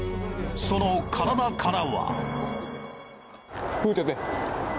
その体からは。